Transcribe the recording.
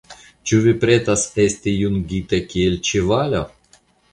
Ĉu vi pretas esti jungita kiel ĉevalo?